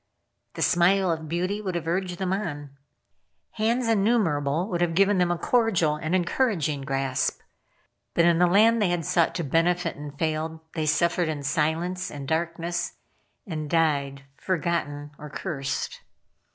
The smile of beauty would have urged them on. Hands innumerable would have given them a cordial and encouraging grasp. But in the land they had sought to benefit and failed, they suffered in silence and darkness, and died forgotten or cursed.